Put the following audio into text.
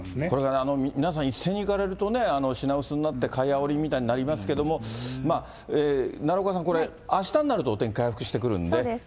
それから皆さん、一斉に行かれるとね、品薄になって、買いあおりみたいになりますけれども、奈良岡さん、これ、あしたなるとお天気回復してくるんで。